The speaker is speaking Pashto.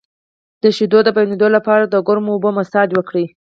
د شیدو د بندیدو لپاره د ګرمو اوبو مساج وکړئ